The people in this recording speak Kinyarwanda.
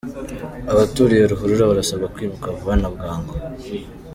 Abaturiye ruhurura barasabwa kwimuka vuba na bwangu